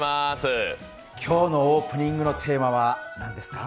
今日のオープニングのテーマは何ですか？